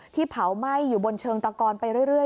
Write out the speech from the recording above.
เผาไหม้อยู่บนเชิงตะกอนไปเรื่อย